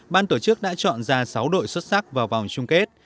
ban tổ chức đã chọn ra sáu đội xuất sắc vào vòng chung kết